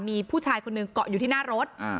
มีผู้ชายคนหนึ่งเกาะอยู่ที่หน้ารถ